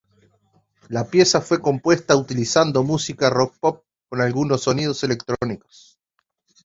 La pieza fue compuesta utilizando música rock-pop con algunos sonidos electrónicos.